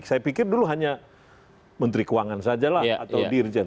saya pikir dulu hanya menteri keuangan saja lah atau dirjen